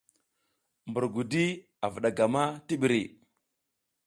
Mbur gudi vuɗa gam a ti ɓiri .